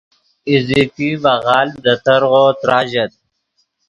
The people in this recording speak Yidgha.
ایزیکی ڤے غالڤ دے ترغو تراژت